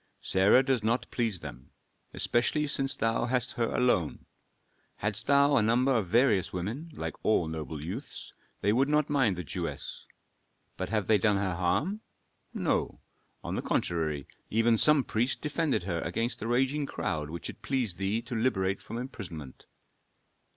Sarah does not please them, especially since thou hast her alone. Hadst thou a number of various women, like all noble youths, they would not mind the Jewess. But have they done her harm? No. On the contrary, even some priest defended her against a raging crowd which it pleased thee to liberate from imprisonment."